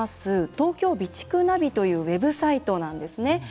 「東京備蓄ナビ」というウェブサイトなんですね。